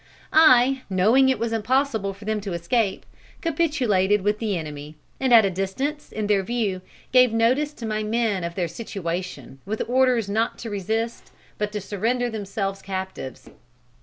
I, knowing it was impossible for them to escape, capitulated with the enemy, and at a distance, in their view, gave notice to my men of their situation with orders not to resist, but surrender themselves captives.